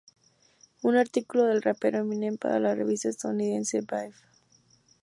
Un artículo del rapero Eminem para la revista estadounidense "Vibe".